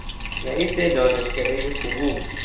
رییس دانشکدهی حقوق